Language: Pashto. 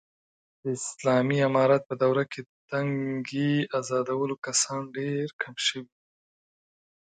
د اسالامي امارت په دوره کې، د تنگې ازادولو کسان ډېر کم شوي دي.